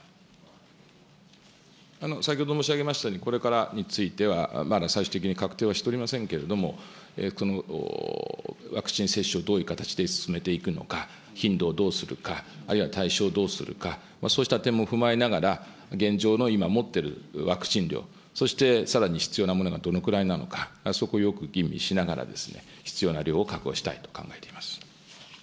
先ほど申し上げましたように、これからについてはまだ最終的に確定はしておりませんけれども、ワクチン接種をどういう形で進めていくのか、頻度をどうするか、あるいは対象をどうするか、そうした点も踏まえながら、現状の今持っているワクチン量、そしてさらに必要なものがどのくらいなのか、そこをよく吟味しながら、必要な量を確保したいと考えています。